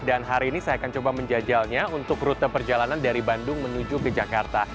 dan hari ini saya akan coba menjajalnya untuk rute perjalanan dari bandung menuju ke jakarta